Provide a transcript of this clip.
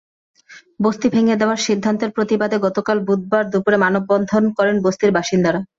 বস্তি ভেঙে দেওয়ার সিদ্ধান্তের প্রতিবাদে গতকাল বুধবার দুপুরে মানববন্ধন করেন বস্তির বাসিন্দারা।